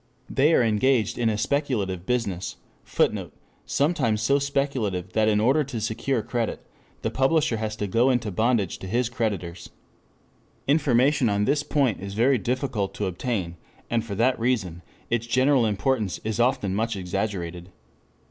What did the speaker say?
They are engaged in a speculative business, [Footnote: Sometimes so speculative that in order to secure credit the publisher has to go into bondage to his creditors. Information on this point is very difficult to obtain, and for that reason its general importance is often much exaggerated.